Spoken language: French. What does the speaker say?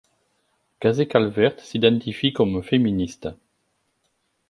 Casey Calvert s'identifie comme féministe.